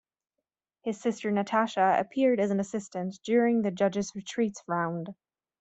His sister Natasha appeared as an assistant during the Judges Retreats round.